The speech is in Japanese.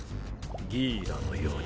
ギーラのように。